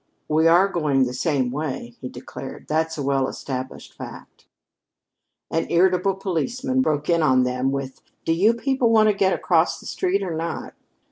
"We are going the same way," he declared. "That's a well established fact." An irritable policeman broke in on them with: "Do you people want to get across the street or not?"